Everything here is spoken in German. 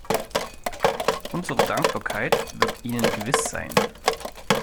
Unsere Dankbarkeit wird Ihnen gewiss sein.